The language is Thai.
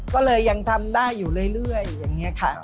ก็เลยยังทำได้อยู่เรื่อยอย่างนี้ค่ะ